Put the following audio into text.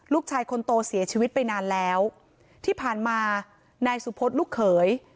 ลูกชายคนโตเสียชีวิตไปนานแล้วที่ผ่านมานายสุพศลูกเขย